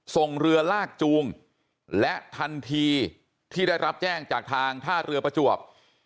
ส่งเรือลากจูงและทันทีที่ได้รับแจ้งจากทางท่าเรือประจวบ